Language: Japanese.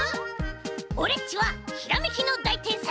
オレっちはひらめきのだいてんさい！